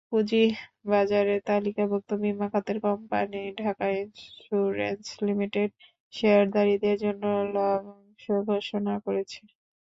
পুঁজিবাজারে তালিকাভুক্ত বিমা খাতের কোম্পানি ঢাকা ইনস্যুরেন্স লিমিটেড শেয়ারধারীদের জন্য লভ্যাংশ ঘোষণা করেছে।